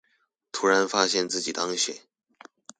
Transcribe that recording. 突然發現自己當選